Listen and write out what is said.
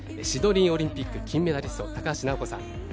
シドニーオリンピック金メダリスト高橋尚子さん